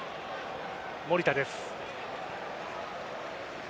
守田です。